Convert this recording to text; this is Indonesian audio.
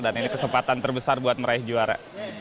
dan ini kesempatan terbesar buat meraih juara